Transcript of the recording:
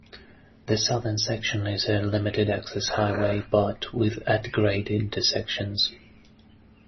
The southern section is a limited-access highway, but with at-grade intersections.